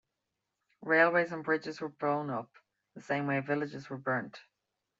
Railways and bridges were blown up, the same way villages were burnt.